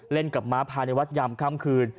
เล่นกับม้าภายในวัดยามค่ำคืน